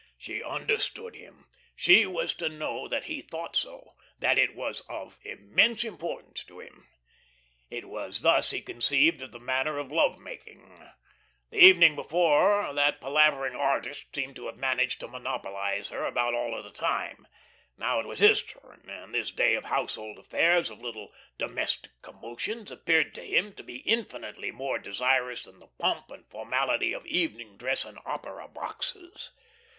She understood him; she was to know that he thought so, that it was of immense importance to him. It was thus he conceived of the manner of love making. The evening before that palavering artist seemed to have managed to monopolise her about all of the time. Now it was his turn, and this day of household affairs, of little domestic commotions, appeared to him to be infinitely more desirous than the pomp and formality of evening dress and opera boxes.